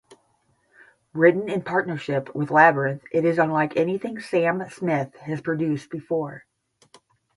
Written in partnership with Labrinth it is unlike anything Sam Smith has produced before.